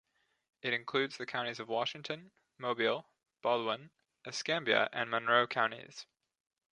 It includes the counties of Washington, Mobile, Baldwin, Escambia and Monroe counties.